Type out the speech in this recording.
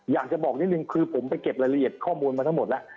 อยากจะบอกนิดนิดคือผมไปเก็บละเอียดข้อมูลทุกแล้ว